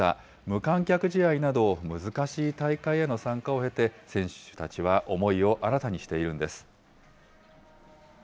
無観客試合など、難しい大会への参加を経て、選手たちは思いを新たにしているんです。